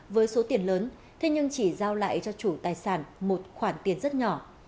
với số tiền lớn thế nhưng chỉ giao lại cho chủ tài sản một khoản tiền rất nhỏ